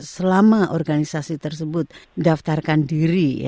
selama organisasi tersebut mendaftarkan diri